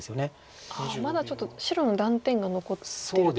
まだちょっと白の断点が残ってると。